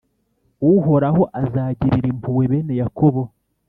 Uhoraho azagirira impuhwe bene Yakobo,